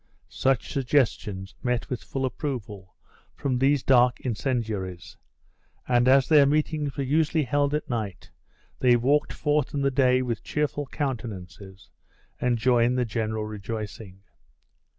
Such suggestions met with full approval from these dark incendiaries; and as their meetings were usually held at night, they walked forth in the day with cheerful countenances, and joined the general rejoicing.